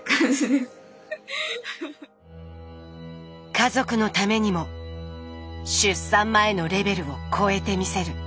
家族のためにも出産前のレベルを超えてみせる。